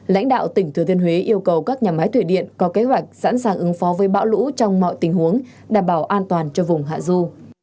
lãnh đạo tỉnh thừa thiên huế yêu cầu các nhà máy thủy điện có kế hoạch sẵn sàng ứng phó với bão lũ trong mọi tình huống đảm bảo an toàn cho vùng hạ du